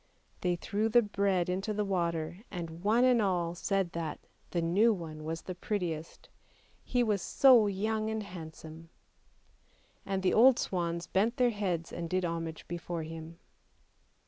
They threw the bread into the water, and one and all said that " the new one was the prettiest; he was so young and handsome." And the old swans bent their heads and did homage before him.